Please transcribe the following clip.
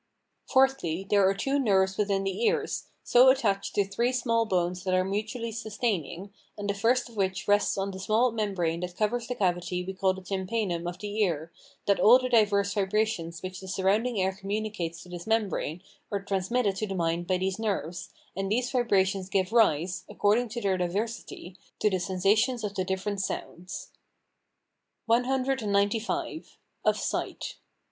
Fourthly, there are two nerves within the ears, so attached to three small bones that are mutually sustaining, and the first of which rests on the small membrane that covers the cavity we call the tympanum of the ear, that all the diverse vibrations which the surrounding air communicates to this membrane are transmitted to the mind by these nerves, and these vibrations give rise, according to their diversity, to the sensations of the different sounds. CXCV. Of sight.